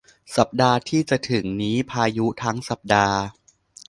สัปดาห์ที่จะถึงนี้พายุทั้งสัปดาห์